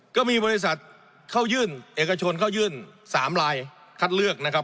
ก็มีบริษัทเข้ายื่นเอกชนเข้ายื่น๓ลายคัดเลือกนะครับ